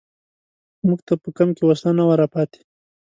موږ ته په کمپ کې وسله نه وه را پاتې.